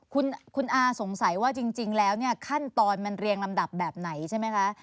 คุณอาสงสัยว่าจริงแล้วเนี่ยขั้นตอนมันเรียงลำดับแบบไหนใช่ไหมคะ